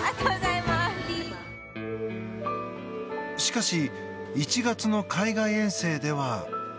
しかし、１月の海外遠征では。